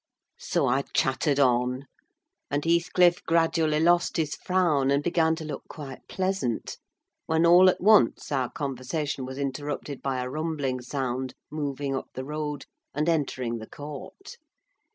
So I chattered on; and Heathcliff gradually lost his frown and began to look quite pleasant, when all at once our conversation was interrupted by a rumbling sound moving up the road and entering the court.